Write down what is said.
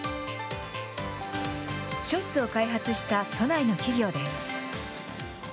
ショーツを開発した都内の企業です。